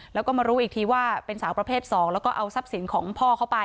แล้วก็มารู้อีกทีว่าเป็นสาวประเภท๒แล้วก็เอาทรัพย์สินของพ่อเข้าไป